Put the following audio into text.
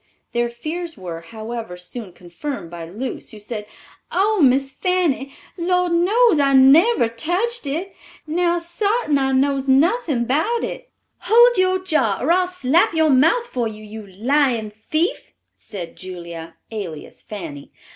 Their fears were, however, soon confirmed by Luce, who said, "Oh, Miss Fanny, Lor' knows I never tached it. Now, sartin I knows nothin' 'bout it." "Hold your jaw, or I'll slap your mouth for you, you lying thief!" said Julia (alias Fanny).